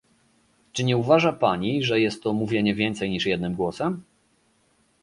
Czy nie uważa Pani, że jest to mówienie więcej niż jednym głosem?